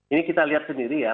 ini kita lihat sendiri ya